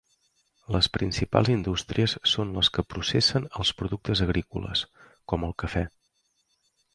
Les principals indústries són les que processen els productes agrícoles, com el cafè.